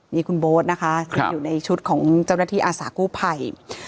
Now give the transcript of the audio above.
นี่คุณโบ๊ทนะคะที่อยู่ในชุดของเจ้าหน้าที่อาสากู้ภัย